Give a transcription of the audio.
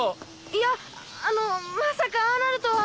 いやあのまさかああなるとは。